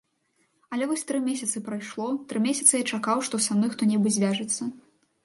Але вось тры месяцы прайшло, тры месяцы я чакаў, што са мной хто-небудзь звяжацца.